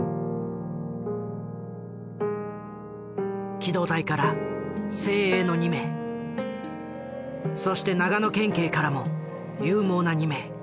機動隊から精鋭の２名そして長野県警からも勇猛な２名。